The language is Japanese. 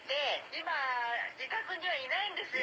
今自宅にはいないんですよ。